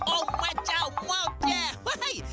โอ้มายเจ้ามากแจ้